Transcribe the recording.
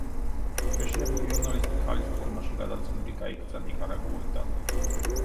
შეშინებული ჟურნალისტი ქალის ფორმაში გადაცმული გაიქცა ნიკარაგუიდან.